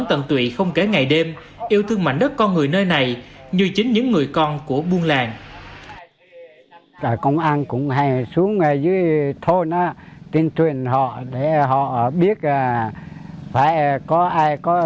có tận tụy không kể ngày đêm yêu thương mạnh đất con người nơi này